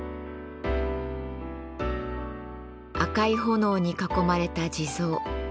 赤い炎に囲まれた地蔵。